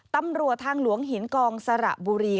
ตำรวจทางหลวงหินกองสระบุรี